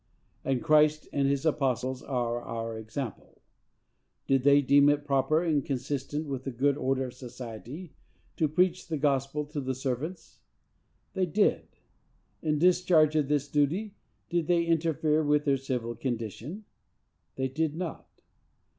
And Christ and his apostles are our example. Did they deem it proper and consistent with the good order of society to preach the gospel to the servants? They did. In discharge of this duty, did they interfere with their civil condition? They did not.